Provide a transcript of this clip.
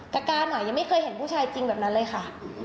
การหน่อยยังไม่เคยเห็นผู้ชายจริงแบบนั้นเลยค่ะ